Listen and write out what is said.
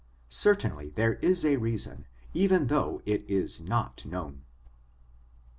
Certainly there is a reason, even though it is not known.